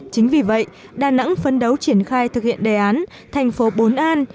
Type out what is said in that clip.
chính vì vậy đà nẵng phấn đấu triển khai thực hiện đề án thành phố bốn an